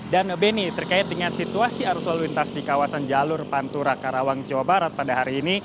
dan beni terkait dengan situasi arus lalu lintas di kawasan jalur pantura karawang jawa barat pada hari ini